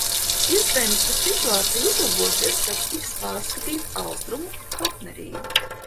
Iespējams, ka situācija uzlabosies, kad tiks pārskatīta Austrumu partnerība.